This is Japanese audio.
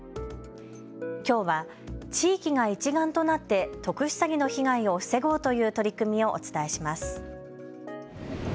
きょうは地域が一丸となって特殊詐欺の被害を防ごうという取り組みをお伝えします。